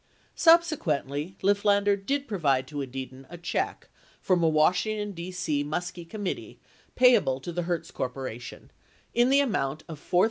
Subsequently, Lifflander did provide to Edidin a check from a Washington, D.C. Muskie committee payable to the Hertz Corp. in the amount of $4,103.29.